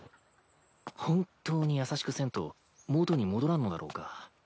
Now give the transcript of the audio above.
本っ当に優しくせんと元に戻らんのだろうか